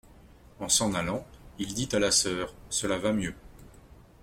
En s'en allant, il dit à la soeur : Cela va mieux.